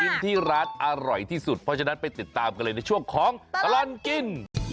กินที่ร้านอร่อยที่สุดเพราะฉะนั้นไปติดตามกันเลยในช่วงของตลอดกิน